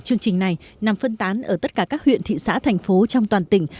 chương trình này nằm phân tán ở tất cả các huyện thị xã thành phố trong toàn tỉnh